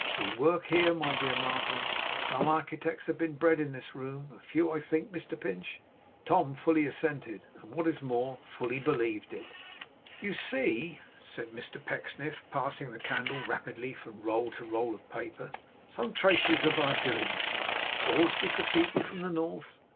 We work here, my dear Martin. Some architects have been bred in this room; a few, I think, Mr Pinch?' Tom fully assented; and, what is more, fully believed it. 'You see,' said Mr Pecksniff, passing the candle rapidly from roll to roll of paper, 'some traces of our doings here. Salisbury Cathedral from the north.